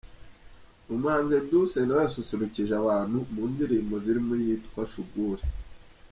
Umuhanzi Edouce nawe yasusurukije abantu mu ndirimbo zirimo iyitwa Shuguri .